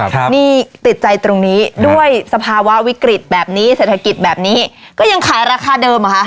ครับนี่ติดใจตรงนี้ด้วยสภาวะวิกฤตแบบนี้เศรษฐกิจแบบนี้ก็ยังขายราคาเดิมเหรอคะ